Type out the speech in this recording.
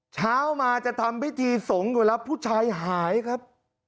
เช้ามาจะทำพิธีสงฆ์อยู่แล้วผู้ชายหายครับ